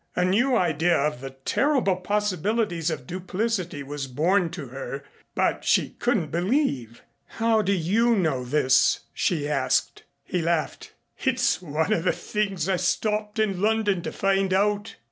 A new idea of the terrible possibilities of duplicity was borne to her. But she couldn't believe. "How do you know this?" she asked. He laughed. "It's one of the things I stopped in London to find out."